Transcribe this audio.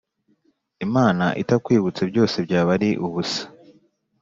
Imana itakwibutse byose byaba ari ubusa